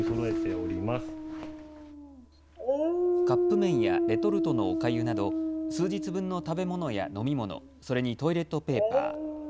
カップ麺やレトルトのおかゆなど数日分の食べ物や飲み物、それにトイレットペーパー。